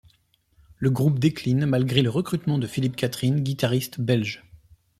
Le groupe décline malgré le recrutement de Philip Catherine, guitariste belge.